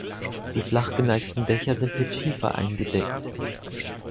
Die flach geneigten Dächer sind mit Schiefer eingedeckt.